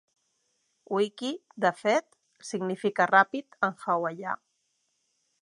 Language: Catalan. Wiki’, de fet, significa ‘ràpid’ en hawaià.